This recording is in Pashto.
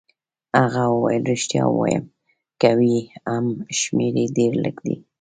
هغه وویل: ریښتیا وایم، که وي هم شمېر يې ډېر لږ دی.